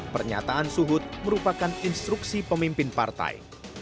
pernyataan suhut merupakan instruksi pemimpin partai